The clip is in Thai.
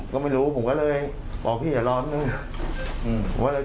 เราไปขอเบียงเขาก่อนแล้วนะเนี่ย